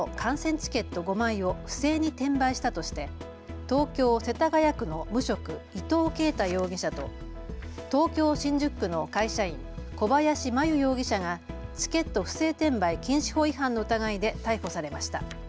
チケット５枚を不正に転売したとして東京世田谷区の無職、伊藤啓太容疑者と東京新宿区の会社員、小林真優容疑者がチケット不正転売禁止法違反の疑いで逮捕されました。